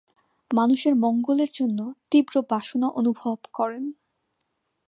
মানুষের মঙ্গলের জন্যে তীব্র বাসনা অনুভব করেন।